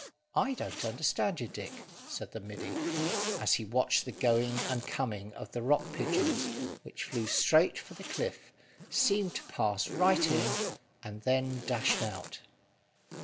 "I don't understand you, Dick," said the middy, as he watched the going and coming of the rock pigeons which flew straight for the cliff, seemed to pass right in, and then dashed out.